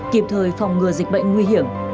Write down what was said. kịp thời phòng ngừa dịch bệnh nguy hiểm